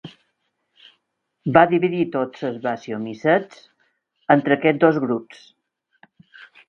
Va dividir tots els basidiomicets entre aquests dos grups.